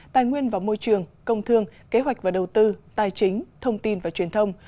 tài nguyên và môi trường công thương kế hoạch và đầu tư tài chính thông tin và truyền thông